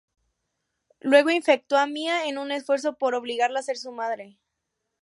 Luego infectó a Mia en un esfuerzo por obligarla a ser su madre.